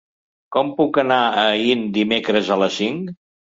Com puc anar a Aín dimecres a les cinc?